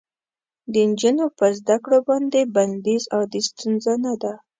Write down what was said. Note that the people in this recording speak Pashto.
د نجونو په زده کړو باندې بندیز عادي ستونزه نه ده.